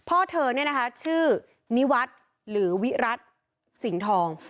พ่อเธอเนี่ยนะคะชื่อนิวัฒน์หรือวิรัติสิงห์ทอง